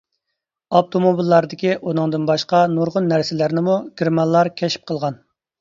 ئاپتوموبىللاردىكى ئۇنىڭدىن باشقا نۇرغۇن نەرسىلەرنىمۇ گېرمانلار كەشىپ قىلغان.